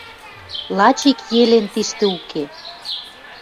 Лач ик Елен тиштӹ уке.